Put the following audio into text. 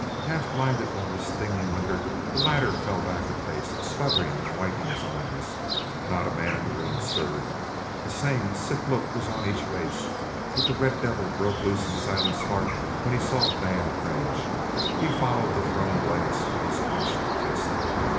Half blinded by the stinging liquor, the latter fell back a pace, sputtering, and wiping his eyes. Not a man in the room stirred. The same sick look was on each face. But the red devil broke loose in Silent's heart when he saw Dan cringe. He followed the thrown glass with his clenched fist.